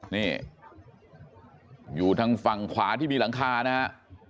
นี่อยู่ทางฝั่งขวาที่มีหลังคานะฮะ